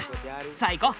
さあ行こう。